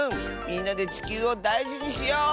みんなでちきゅうをだいじにしよう。